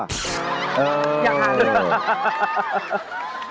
อยากทำรวด